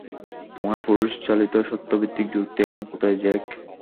তোমার পুরুষ-চালিত, সত্য-ভিত্তিক যুক্তি এখন কোথায়, জ্যাক?